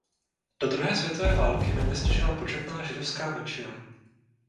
Do druhé světové války ve městě žila početná židovská menšina.